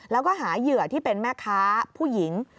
แล้วก็หาเหยื่อที่เป็นแม่ค้าผู้หญิง